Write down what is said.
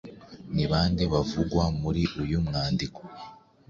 Ni ba nde bavugwa muri uyu mwandiko?